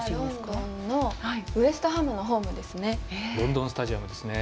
ロンドンのウエストハムのホームですね。